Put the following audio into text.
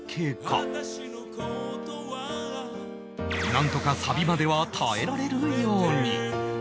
なんとかサビまでは耐えられるように